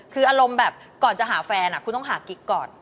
คืออารมณ์แบบก่อนจะหาแฟนคุณต้องหากิ๊กก่อน